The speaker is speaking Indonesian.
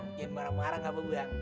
jangan marah marah gak apa bang